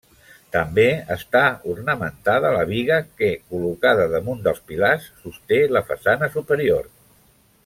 També està ornamentada la biga que, col·locada damunt dels pilars, sosté la façana superior.